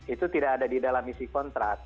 itu tidak ada di dalam isi kontrak